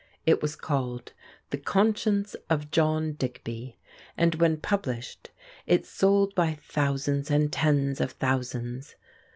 It was called "The Conscience of John Digby," and when published it sold by thousands and tens of thousands.